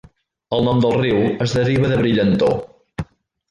El nom del riu es deriva de 'brillantor'.